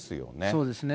そうですね。